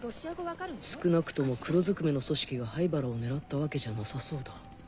少なくとも黒ずくめの組織が灰原を狙ったわけじゃなさそうだ